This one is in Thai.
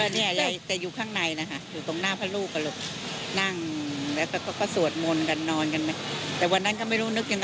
ถ้าเค้าหาเค้ากลับเข้ามันต้อนรอบนี่